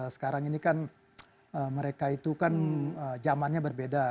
sekarang ini kan mereka itu kan zamannya berbeda